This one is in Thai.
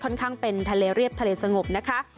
ข้างเป็นทะเลเรียบทะเลสงบนะคะ